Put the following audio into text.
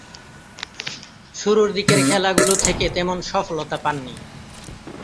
শুরুরদিকের খেলাগুলো থেকে তেমন সফলতা পাননি।